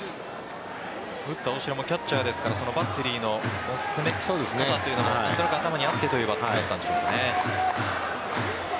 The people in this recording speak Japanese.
打った大城もキャッチャーですからバッテリーの攻め方というのも何となく頭にあってというバッティングだったんでしょうね。